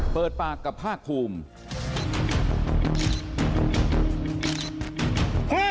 เปิดปากกับภาคภูมิ